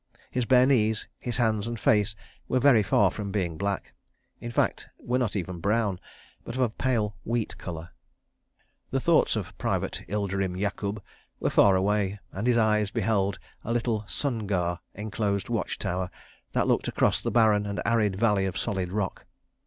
His bare knees, his hands and face were very far from being black; in fact, were not even brown, but of a pale wheat colour. The thoughts of Private Ilderim Yakub were far away, and his eyes beheld a little sungar enclosed watch tower that looked across a barren and arid valley of solid rock.